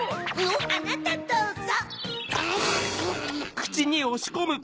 あなたどうぞ！